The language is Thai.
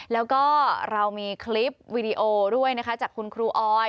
แล้วก็เรามีคลิปวีดีโอด้วยนะคะจากคุณครูออย